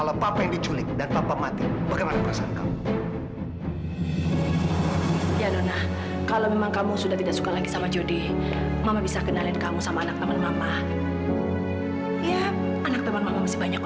sampai jumpa di video selanjutnya